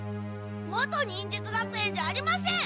元忍術学園じゃありません！